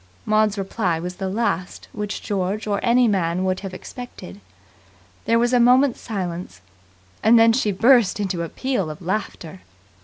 Maud's reply was the last which George or any man would have expected. There was a moment's silence, and then she burst into a peal of laughter.